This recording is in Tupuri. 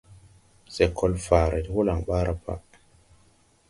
Se kol faare ti holaŋ ɓaara ga pa.